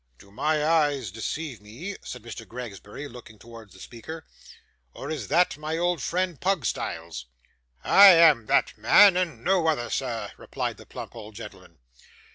'Do my eyes deceive me,' said Mr. Gregsbury, looking towards the speaker, 'or is that my old friend Pugstyles?' 'I am that man, and no other, sir,' replied the plump old gentleman.